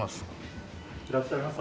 いらっしゃいませ。